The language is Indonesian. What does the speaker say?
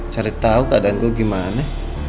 cari tahu keadaan gue gimana